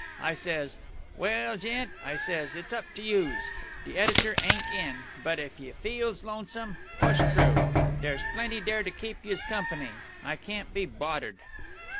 I says, 'Well, gent,' I says, 'it's up to youse. De editor ain't in, but, if you feels lonesome, push t'roo. Dere's plenty dere to keep youse company. I can't be boddered!'"